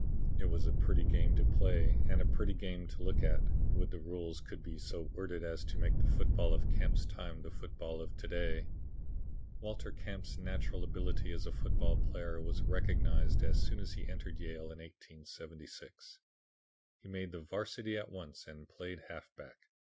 "It was a pretty game to play and a pretty game to look at. Would that the rules could be so worded as to make the football of Camp's time the football of to day! "Walter Camp's natural ability as a football player was recognized as soon as he entered Yale in 1876. He made the 'varsity at once and played halfback.